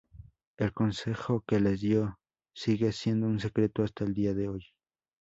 El consejo que les dio sigue siendo un secreto hasta el día de hoy.